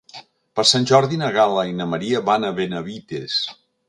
Per Sant Jordi na Gal·la i na Maria van a Benavites.